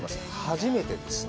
初めてですね。